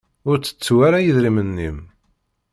Ur tettu ara idrimen-im.